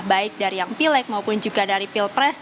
baik dari yang pilek maupun juga dari pilpres